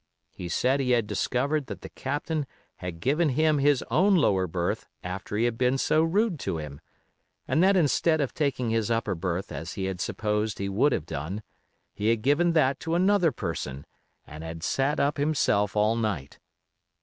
He said he had discovered that the Captain had given him his own lower berth after he had been so rude to him, and that instead of taking his upper berth as he had supposed he would have done, he had given that to another person and had sat up himself all night.